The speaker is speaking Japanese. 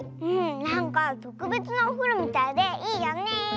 なんかとくべつなおふろみたいでいいよね。